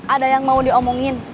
ada yang mau diomongin